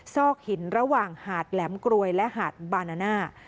ซอกหินระหว่างหาดแหลมกรวยและหาดบานาน่า